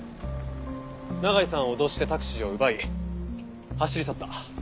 永井さんを脅してタクシーを奪い走り去った。